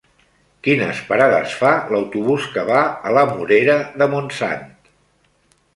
Quines parades fa l'autobús que va a la Morera de Montsant?